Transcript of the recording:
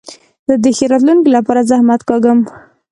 زه د ښې راتلونکي له پاره زحمت کاږم.